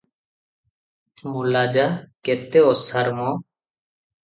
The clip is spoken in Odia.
ମଲା ଯା - କେତେ ଓସାର ମ!